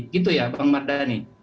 gitu ya bang mardhani